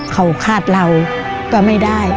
เขาคาดเราก็ไม่ได้